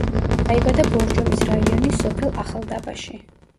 დაიბადა ბორჯომის რაიონის სოფელ ახალდაბაში.